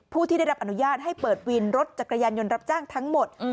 ผู้ที่ได้รับอนุญาตให้เปิดวินรถจักรยานยนต์รับจ้างทั้งหมด